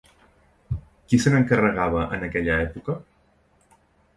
Qui se n'encarregava en aquella època?